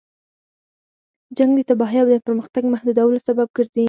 جنګ د تباهۍ او د پرمختګ محدودولو سبب ګرځي.